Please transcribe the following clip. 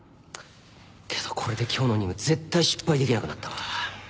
けどこれで今日の任務絶対失敗できなくなったわ。